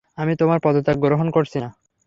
আমি তোমার পদত্যাগ গ্রহণ করছি না!